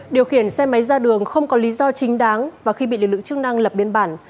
điều khiển xe máy ra đường không có lý do chính đáng và khi bị lực lượng chức năng lập biên bản